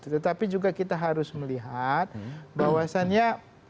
tetapi juga kita harus melihat bahwasannya